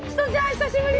久しぶり！